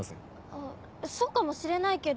あぁそうかもしれないけど。